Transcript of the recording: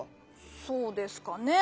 そうですかねぇ？